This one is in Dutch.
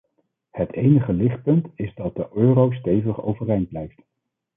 Het enige lichtpunt is dat de euro stevig overeind blijft.